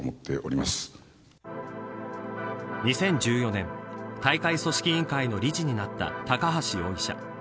２０１４年大会組織委員会の理事になった高橋容疑者。